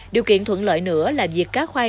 điều kiện thuận lợi nữa là việc cá khoai